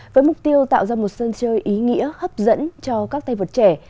với mục tiêu tạo ra một sân chơi ý nghĩa hấp dẫn cho các tay vật trẻ